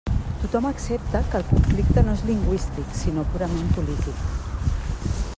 Tothom accepta que el conflicte no és lingüístic sinó purament polític.